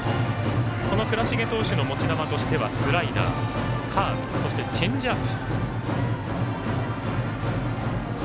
倉重投手の持ち球としてはスライダーカーブ、そしてチェンジアップ。